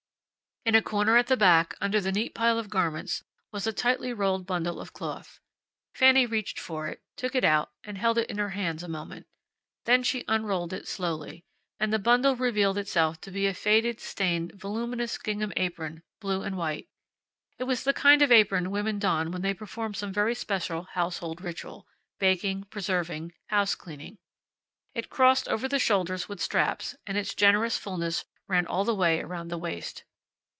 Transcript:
In a corner at the back, under the neat pile of garments, was a tightly rolled bundle of cloth. Fanny reached for it, took it out, and held it in her hands a moment. Then she unrolled it slowly, and the bundle revealed itself to be a faded, stained, voluminous gingham apron, blue and white. It was the kind of apron women don when they perform some very special household ritual baking, preserving, house cleaning. It crossed over the shoulders with straps, and its generous fullness ran all the way around the waist.